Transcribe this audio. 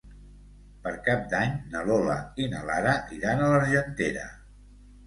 Per Cap d'Any na Lola i na Lara iran a l'Argentera.